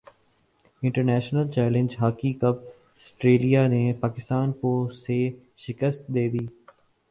international challenge hockey cup Australia نے پاکستان کو سے شکست دے دی